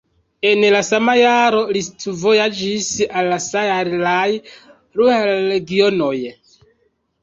En la sama jaro li studvojaĝis al Saar kaj Ruhr-regionoj.